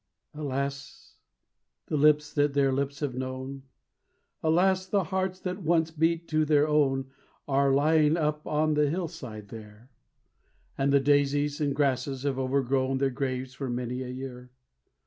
Alas! the lips that their lips have known, Alas! the hearts that once beat to their own Are lying up on the hillside there, And the daisies and grasses have overgrown Their graves for many a year.